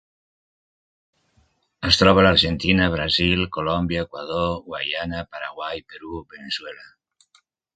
Es troba a l'Argentina, Brasil, Colòmbia, Equador, Guyana, Paraguai, Perú, Veneçuela.